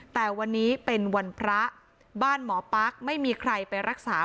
แต่วันนี้เป็นวันพระบ้านหมอปั๊กไม่มีใครไปรักษา